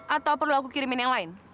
atau perlu aku kirimin yang lain